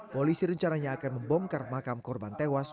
polisi rencananya akan membongkar makam korban tewas